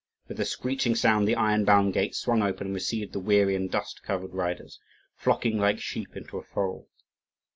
With a screeching sound the iron bound gates swung open and received the weary and dust covered riders, flocking like sheep into a fold.